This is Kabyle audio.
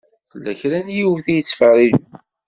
Tella kra n yiwet i yettfeṛṛiǧen.